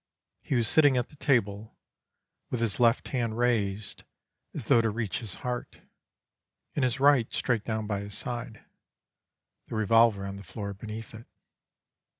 He was sitting at the table, with his left hand raised, as though to reach his heart, and his right straight down by his side, the revolver on the floor beneath it.